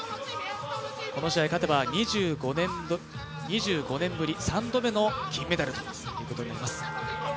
この試合勝てば２５年ぶり３度目の金メダルということになります。